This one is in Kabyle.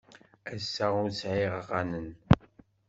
Ass-a ur sɛiɣ aɣanen.